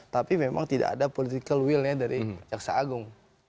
tapi memang tidak ada political will nya dari jaksa agung